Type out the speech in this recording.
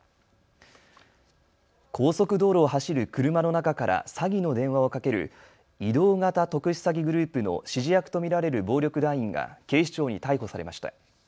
高速道路を走る車の中から詐欺の電話をかける移動型特殊詐欺グループの指示役と見られる暴力団員が警視庁に逮捕されました。